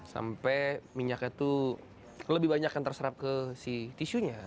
sampai minyaknya itu lebih banyak akan terserap ke si tisunya